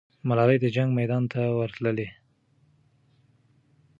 ملالۍ د جنګ میدان ته ورتللې.